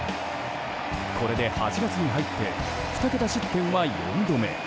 これで８月に入って２桁失点は４度目。